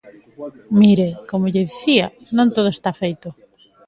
Mire, como lle dicía, non todo está feito.